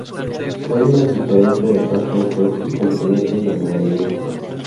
Hay una diferencia de fase entre estos componentes del movimiento.